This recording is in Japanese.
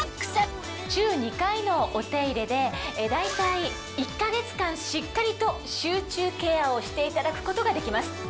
週２回のお手入れで大体１か月間しっかりと集中ケアをしていただくことができます。